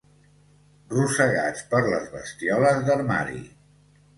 Rosegats per les bestioles d'armari.